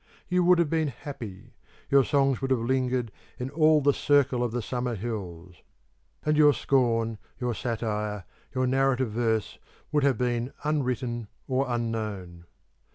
You would have been happy. Your songs would have lingered in all 'the circle of the summer hills;' and your scorn, your satire, your narrative verse, would have been unwritten or unknown.